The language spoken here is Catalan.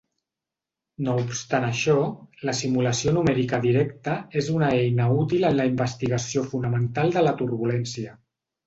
No obstant això, la simulació numèrica directa és una eina útil en la investigació fonamental de la turbulència.